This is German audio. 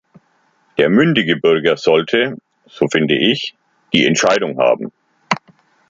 Der mündige Bürger sollte so finde ich die Entscheidung haben.